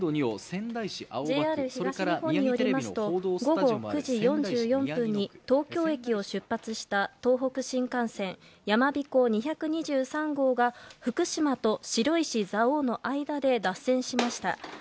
ＪＲ東日本によりますと午後９時４４分に東京駅を出発した東北新幹線やまびこ２２３号が福島と白石蔵王の間で脱線しました。